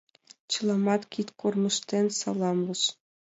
Чыламат кид кормыжтен саламлыш.